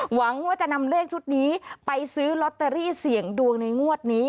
หวังว่าจะนำเลขชุดนี้ไปซื้อลอตเตอรี่เสี่ยงดวงในงวดนี้